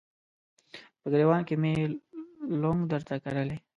په ګریوان کې مې لونګ درته کرلي